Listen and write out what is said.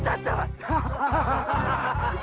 sampai jumpa tuhan